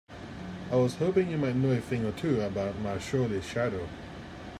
I was hoping you might know a thing or two about my surly shadow?